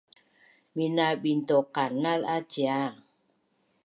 Mina bintuqanaz a cia